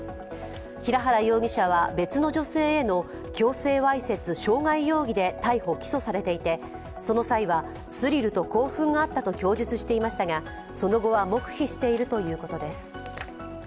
平原容疑者は別の女性への強制わいせつ傷害容疑で逮捕・起訴されていてその際は、スリルと興奮があったと供述していましたが、その後は黙秘しているということです。